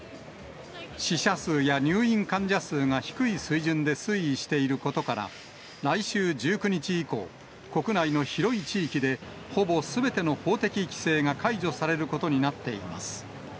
死者数や入院患者数が低い水準で推移していることから、来週１９日以降、国内の広い地域で、ほぼすべての法的規制が解除されることになっています。